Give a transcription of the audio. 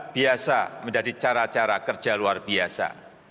biasa menjadi cara cara kerja luar biasa